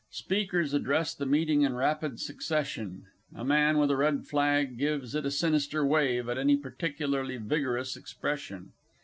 Speakers address the Meeting in rapid succession; a Man with a red flag gives it a sinister wave at any particularly vigorous expression.